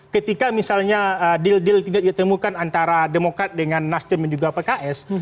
ketika misalnya deal deal tidak ditemukan antara demokrat dengan nasdem dan juga pks